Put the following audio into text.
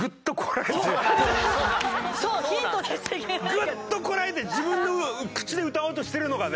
グッとこらえて自分の口で歌おうとしてるのがね